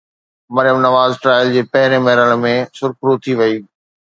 Maryam Nawaz trial جي پهرين مرحلي ۾ سرخرو ٿي وئي.